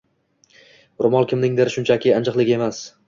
Ro‘mol kimningdir shunchaki injiqligi emas